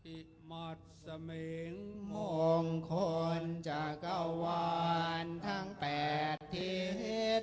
อิมัจรมิงมงคนกวาทั้ง๘ทิศ